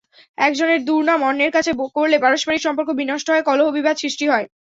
একজনের দুর্নাম অন্যের কাছে করলে পারস্পরিক সম্পর্ক বিনষ্ট হয়, কলহ-বিবাদ সৃষ্টি হয়।